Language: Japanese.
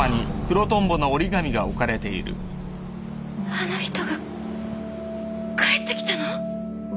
あの人が帰ってきたの！？